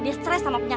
lepas lupas lupas